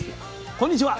こんにちは。